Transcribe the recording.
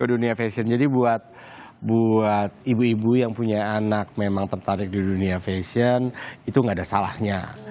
dunia fashion jadi buat ibu ibu yang punya anak memang tertarik di dunia fashion itu nggak ada salahnya